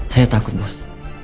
saya takut bos